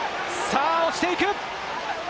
押していく。